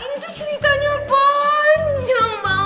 ini tuh ceritanya panjang banget